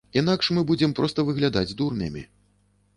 Інакш мы будзем проста выглядаць дурнямі.